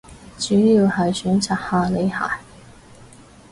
主要係想刷下你鞋